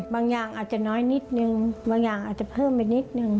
บางอย่างอาจจะน้อยนิดนึงบางอย่างอาจจะเพิ่มไปนิดนึง